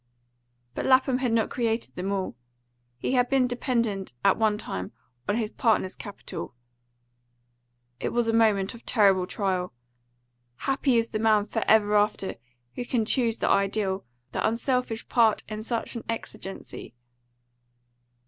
But Lapham had not created them all. He had been dependent at one time on his partner's capital. It was a moment of terrible trial. Happy is the man for ever after who can choose the ideal, the unselfish part in such an exigency!